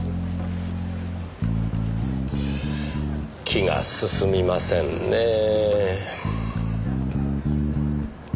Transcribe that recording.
気が進みませんねぇ。